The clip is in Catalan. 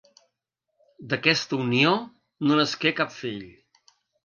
D'aquesta unió no nasqué cap fill.